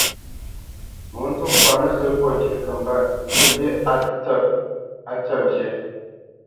Ŋo tô kɔt nǝzǝ́ pɔ́t ŋkǐ kə̂ mbî á tsǝ̂p ŋkǐ.